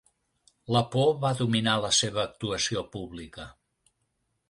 La por va dominar la seva actuació pública.